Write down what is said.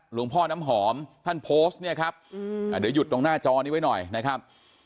หลวงพ่อน้ำหอมท่านโพสต์เนี่ยครับเดี๋ยวหยุดตรงหน้าจอนี้ไว้หน่อยนะครับ